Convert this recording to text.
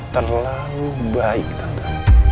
terlalu baik tante